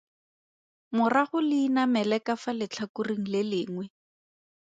Morago le inamele ka fa letlhakoreng le lengwe.